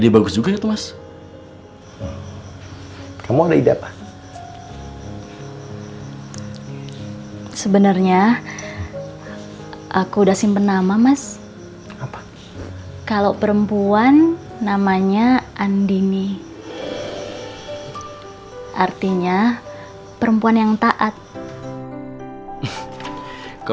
buat trafficking banyak